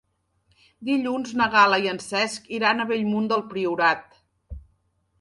Dilluns na Gal·la i en Cesc iran a Bellmunt del Priorat.